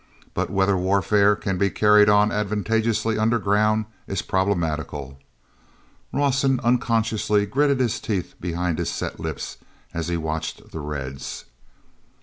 But whether warfare can be carried on advantageously under ground is problematical...." Rawson unconsciously gritted his teeth behind his set lips as he watched the Reds.